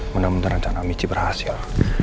mudah mudahan rencana michi berhasil